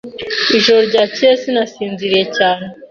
Ijoro ryakeye sinasinziriye cyane.